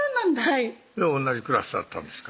い同じクラスだったんですか？